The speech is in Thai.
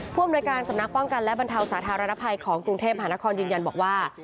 อำนวยการสำนักป้องกันและบรรเทาสาธารณภัยของกรุงเทพหานครยืนยันบอกว่า